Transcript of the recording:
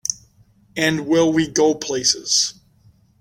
And will we go places!